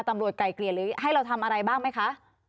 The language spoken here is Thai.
ไก่เกลี่ยหรือให้เราทำอะไรบ้างไหมคะ